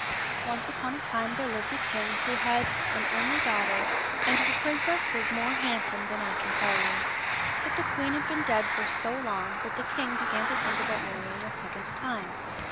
NCE upon a time there lived a king who had an only daughter, and the princess was more handsome than I can tell you. But the queen had been dead for so long that the king began to think about marrying a second time.